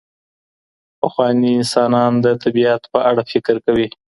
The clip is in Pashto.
پخواني انسانان د طبیعت په اړه فکر کوي.